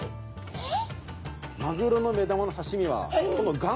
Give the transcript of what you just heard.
えっ！